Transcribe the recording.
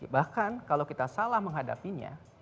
bahkan kalau kita salah menghadapinya